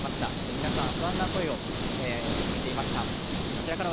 皆さん、不安な声を上げていました。